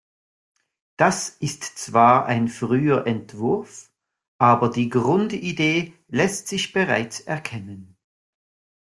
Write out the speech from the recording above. Das ist zwar ein früher Entwurf, aber die Grundidee lässt sich bereits erkennen.